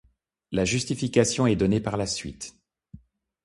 La justification est donnée par la suite.